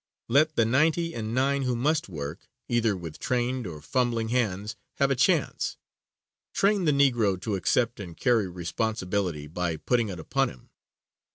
Let the ninety and nine who must work, either with trained or fumbling hands, have a chance. Train the Negro to accept and carry responsibility by putting it upon him.